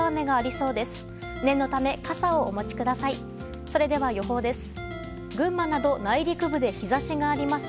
それでは予報です。